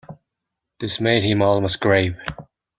This made him almost grave.